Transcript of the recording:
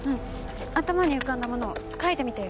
頭に浮かんだものを描いてみてよ。